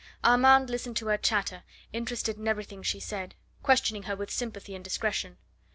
Armand listened to her chatter, interested in everything she said, questioning her with sympathy and discretion.